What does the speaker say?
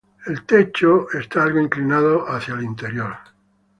El techo está algo inclinado hacia el interior.